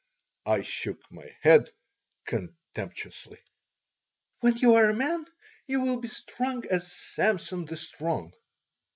I shook my head contemptuously "When you are a man you will be strong as Samson the Strong."